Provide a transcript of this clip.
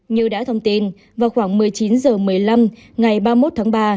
như đã thông tin vào khoảng một mươi chín h một mươi năm ngày ba mươi một tháng ba